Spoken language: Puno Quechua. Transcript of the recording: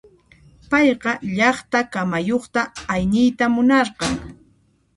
Payqa llaqta kamayuqta ayniyta munarqan.